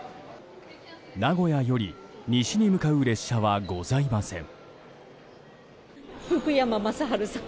名古屋より西に向かう列車はございません。